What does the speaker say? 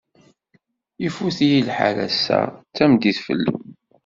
Ifut-iyi lḥal, assa d tameddit fell-i.